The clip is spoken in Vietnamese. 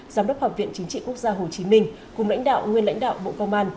giám đốc học viện chính trị quốc gia hồ chí minh cùng lãnh đạo nguyên lãnh đạo bộ công an